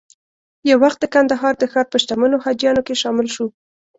یو وخت د کندهار د ښار په شتمنو حاجیانو کې شامل شو.